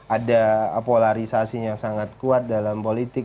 ada polarisasi yang sangat kuat dalam politik